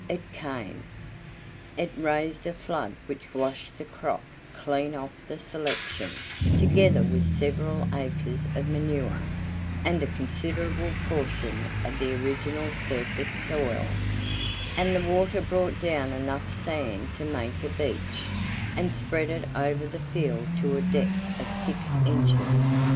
It came. It raised a flood which washed the crop clean off the selection, together with several acres of manure, and a considerable portion of the original surface soil; and the water brought down enough sand to make a beach, and spread it over the field to a depth of six inches.